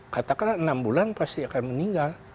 katakanlah enam bulan pasti akan meninggal